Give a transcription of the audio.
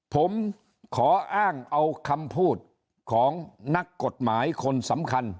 ผมขออ้างเอาคำพูดของนักกฎหมายคนสำคัญ